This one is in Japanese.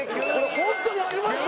本当にありました？